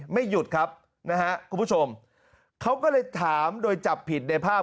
ไม่หยุดครับนะฮะคุณผู้ชมเขาก็เลยถามโดยจับผิดในภาพ